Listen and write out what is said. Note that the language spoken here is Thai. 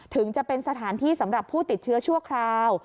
ถึงจะเป็นสถานที่สำหรับผู้ติดเชื้อชั่วคราว